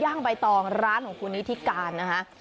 ย่างใบตองร้านของคุณอิทธิการนะคะ